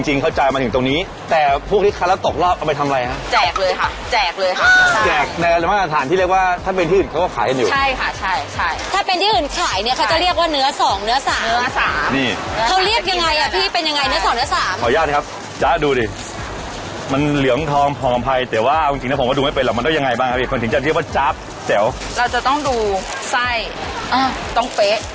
ใช่ใช่ถ้าเป็นที่อื่นขายเนี้ยเขาจะเรียกว่าเนื้อสองเนื้อสามเนื้อสามนี่เขาเรียกยังไงอ่ะพี่เป็นยังไงเนื้อสองเนื้อสามขออนุญาตครับจ๊าบดูดิมันเหลืองทองหอมภัยแต่ว่าจริงจริงนะผมก็ดูไม่เป็นหรอกมันต้องยังไงบ้างครับพี่ความจริงจะเรียกว่าจ๊าบเจ๋วเราจะต้อง